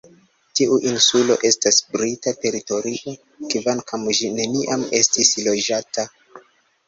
Tiu insulo estas brita teritorio, kvankam ĝi neniam estis loĝata.